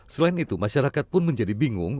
selain itu masyarakat pun menjadi bingung